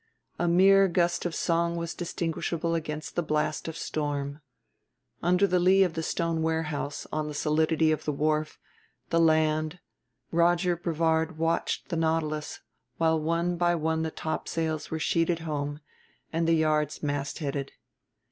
A mere gust of song was distinguishable against the blast of storm. Under the lee of the stone warehouse, on the solidity of the wharf, the land, Roger Brevard watched the Nautilus while one by one the topsails were sheeted home and the yards mastheaded.